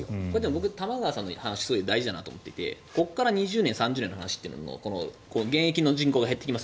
僕は玉川さんの話すごく大事だなと思っていてここから２０年、３０年の話というのは現役の人口が減っていきます